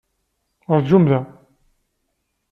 Rǧum da!